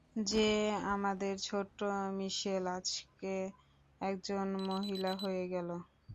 যে আমাদের ছোট্ট মিশেল আজকে একজন মহিলা হয়ে গেলো।